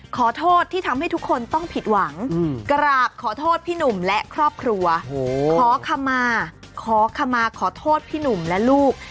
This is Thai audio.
ขอโทษที่ทำให้ทุกคนต้องผิดหวังกราบขอโทษพี่หนุ่มและครอบครัวขอคำมาขอคำมาขอโทษพี่หนุ่มและลูก